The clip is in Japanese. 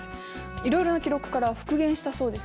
いろいろな記録から復元したそうですよ。